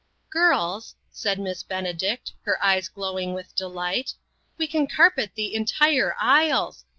" Girls," said Miss Benedict, her eyes glowing with delight, "we can carpet the entire aisles.